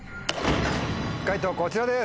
解答こちらです。